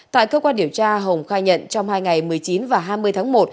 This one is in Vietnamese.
tại cơ quan điều tra hồng khai nhận trong hai ngày một mươi chín và hai mươi tháng một